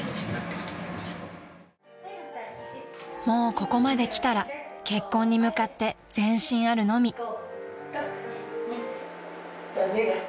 ［もうここまできたら結婚に向かって前進あるのみ］